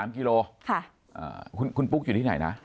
คุณพุกอยู่ที่ไหนนะ